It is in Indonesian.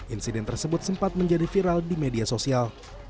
insiden tersebut sempat menjadi viral di media sosial